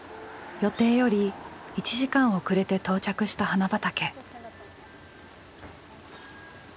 予定より１時間遅れて到着した花畑。